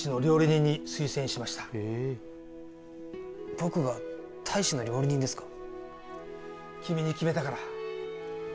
僕が大使の料理人ですか？